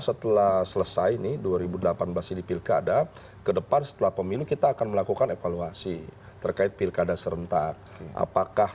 dikeluarkan ya ke depan setelah pemilu kita akan melakukan evaluasi terkait pilkada serentak apakah